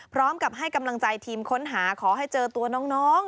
พร้อมกับให้กำลังใจทีมค้นหาขอให้เจอตัวน้อง